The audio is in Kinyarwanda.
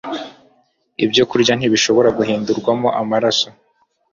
Ibyokurya ntibishobora guhindurwamo amaraso